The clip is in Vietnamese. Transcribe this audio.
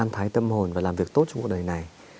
thái tâm hồn và làm việc tốt trong cuộc đời này